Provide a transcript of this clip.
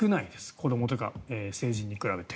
子どもとか成人に比べて。